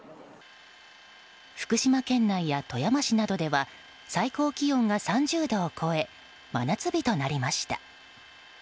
福島県内や富山市などでは最高気温が３０度を超え真夏日となりました。